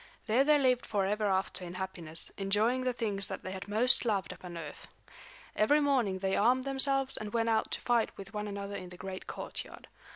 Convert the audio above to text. There they lived forever after in happiness, enjoying the things that they had most loved upon earth. Every morning they armed themselves and went out to fight with one another in the great courtyard.